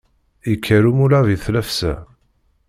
Yekker umulab i tlafsa!